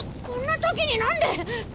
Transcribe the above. こんなときになんで！？